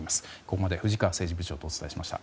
ここまで藤川政治部長とお伝えしました。